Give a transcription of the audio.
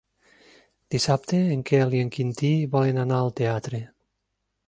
Dissabte en Quel i en Quintí volen anar al teatre.